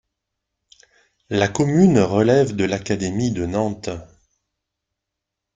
La commune relève de l'académie de Nantes.